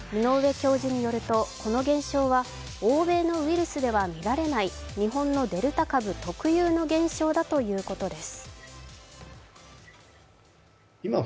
教授によるとこの現象は欧米のウイルスでは見られない日本のデルタ株特有の現象だということです。